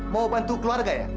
mau bantu keluarga ya